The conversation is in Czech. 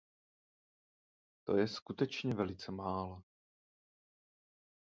To je skutečně velice málo.